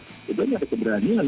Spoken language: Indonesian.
itu kan yang ada keberanian